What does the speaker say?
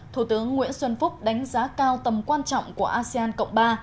thủ tướng nguyễn xuân phúc đánh giá cao tầm quan trọng của asean cộng ba